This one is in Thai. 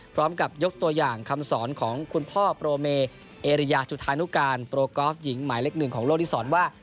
พร้อมกับยกตัวอย่างคำสอนของคุณพ่อโปรเมเอริยาจุธานุการโปรกอล์ฟหญิงหมายเล็กหนึ่งของโลกที่สอนว่า